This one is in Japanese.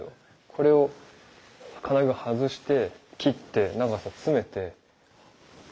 これを金具外して切って長さ詰めて。